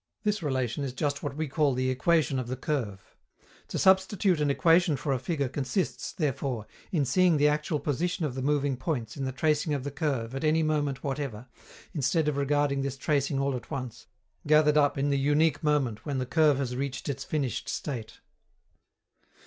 This relation is just what we call the equation of the curve. To substitute an equation for a figure consists, therefore, in seeing the actual position of the moving points in the tracing of the curve at any moment whatever, instead of regarding this tracing all at once, gathered up in the unique moment when the curve has reached its finished state.